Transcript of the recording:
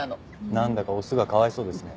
なんだかオスがかわいそうですね。